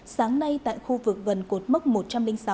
sáng nay tại khu vực gần cột mốc một trăm linh sáu